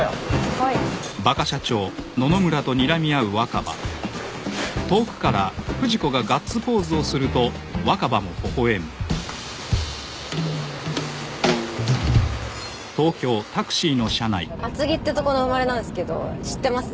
はい厚木ってとこの生まれなんですけど知ってます？